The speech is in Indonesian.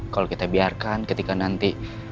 kalau kita biarkan ketika nanti